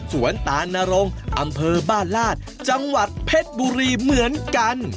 สวนตานรงอำเภอบ้านลาดจังหวัดเพชรบุรีเหมือนกัน